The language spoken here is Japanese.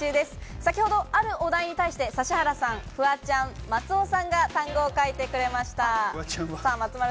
先ほどあるお題に対して指原さん、フワちゃん、松尾さんが単語を書いてくれました。